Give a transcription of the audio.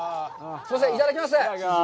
すみません、いただきます。